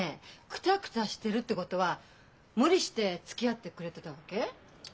クタクタしてるってことは無理してつきあってくれてたわけ？